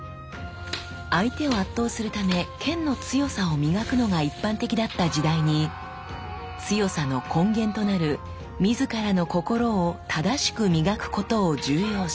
相手を圧倒するため剣の強さを磨くのが一般的だった時代に強さの根源となる自らの心を正し磨くことを重要視。